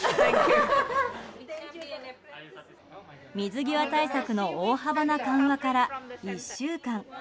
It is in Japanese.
水際対策の大幅な緩和から１週間。